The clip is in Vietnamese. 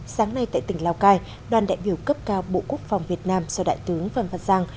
sáng nay tại tỉnh lào cai đoàn đại biểu cấp cao bộ quốc phòng việt nam do đại tướng văn văn giang